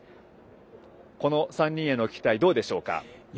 この３人への期待はどうでしょうか？